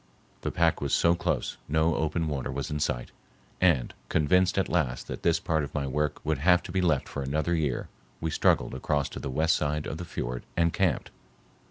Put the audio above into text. The pack was so close no open water was in sight, and, convinced at last that this part of my work would have to be left for another year, we struggled across to the west side of the fiord and camped.